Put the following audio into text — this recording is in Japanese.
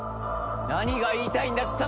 何が言いたいんだ貴様！